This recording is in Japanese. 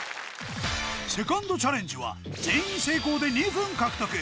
セカンドチャレンジは全員成功で２分獲得